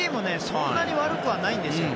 そんなに悪くはないんですよ。